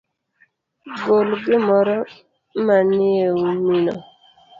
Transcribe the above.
Gol gimoro manieumino.